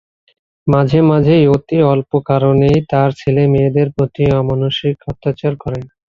মাঝে মাঝেই অতি অল্প কারণেই তার ছেলে-মেয়েদের প্রতি অমানুষিক অত্যাচার করে।